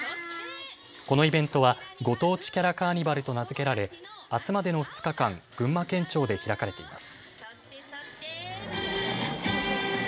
このイベントはご当地キャラカーニバルと名付けられあすまでの２日間、群馬県庁で開かれています。